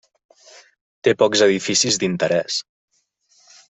Té pocs edificis d'interès.